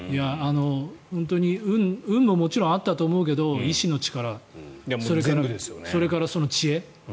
本当に運ももちろんあったと思うけど意志の力、それからその知恵。